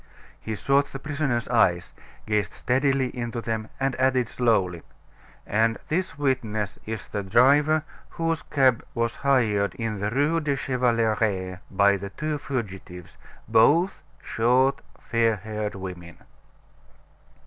He sought the prisoner's eyes, gazed steadily into them, and added slowly: "And this witness is the driver whose cab was hired in the Rue de Chevaleret by the two fugitives, both short, fair haired women."